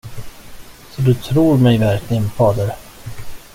Så du tror mig verkligen, fader?